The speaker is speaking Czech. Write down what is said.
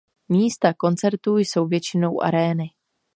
Místa koncertů jsou většinou arény.